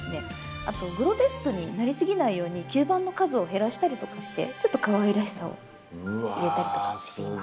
あとグロテスクになりすぎないように吸盤の数を減らしたりとかしてちょっとかわいらしさを入れたりとかしています。